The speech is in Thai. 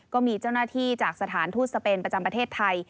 ก็มีเจ้าหน้าที่จากสถานทูตสเปนประจำประเทศไทย